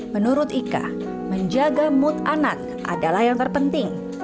menurut ika menjaga mood anak adalah yang terpenting